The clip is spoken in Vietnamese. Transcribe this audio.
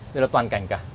đây là toàn cảnh cả